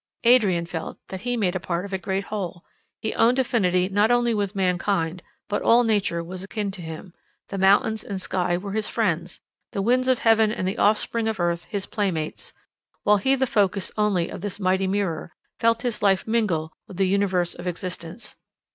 Adrian felt that he made a part of a great whole. He owned affinity not only with mankind, but all nature was akin to him; the mountains and sky were his friends; the winds of heaven and the offspring of earth his playmates; while he the focus only of this mighty mirror, felt his life mingle with the universe of existence.